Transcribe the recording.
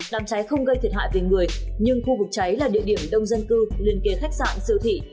đám trái không gây thiệt hại về người nhưng khu vực trái là địa điểm đông dân cư liên kề khách sạn sự thị